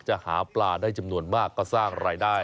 หาปลาได้จำนวนมากก็สร้างรายได้